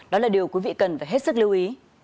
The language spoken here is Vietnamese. đó là điều quý vị cần phải hết sức lưu ý